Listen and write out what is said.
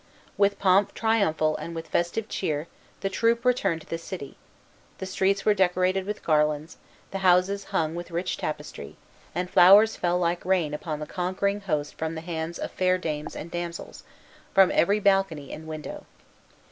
With pomp triumphal and with festive cheer the troop returned to the city; the streets were decorated with garlands, the houses hung with rich tapestry, and flowers fell like rain upon the conquering host from the hands of fair dames and damsels, from every balcony and window.